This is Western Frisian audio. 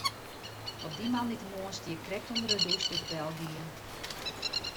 Op dy moandeitemoarn stie ik krekt ûnder de dûs doe't de bel gie.